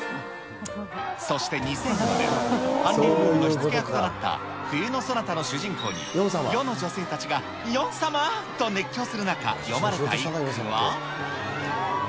そして２００４年、韓流ブームの火付け役となった冬のソナタの主人公に、世の女性たちがヨン様と熱狂する中、詠まれた一句は。